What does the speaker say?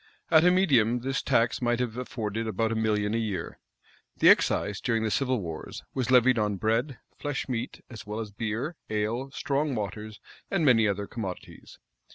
At a medium, this tax might have afforded about a million a year. The excise, during the civil wars, was levied on bread, flesh meat, as well as beer, ale, strong waters and many other commodities.